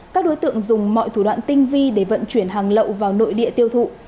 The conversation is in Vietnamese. các đối tượng dùng mọi thủ đoạn tinh vi để vận chuyển hàng lậu vào nội địa tiêu thụ